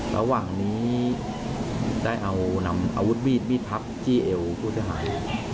ระหว่างนี้ได้เอานำอาวุธมีดมีดพับจี้เอวผู้เสียหาย